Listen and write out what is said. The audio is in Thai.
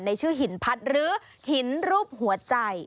ชื่อหินพัดหรือหินรูปหัวใจ